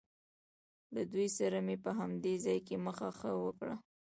له دوی سره مې په همدې ځای کې مخه ښه وکړ.